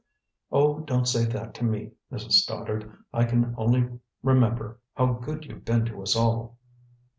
"Oh, don't say that to me, Mrs. Stoddard. I can only remember how good you've been to us all."